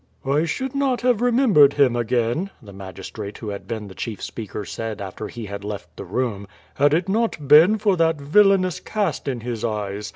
"I should not have remembered him again," the magistrate who had been the chief speaker said after he had left the room, "had it not been for that villainous cast in his eyes.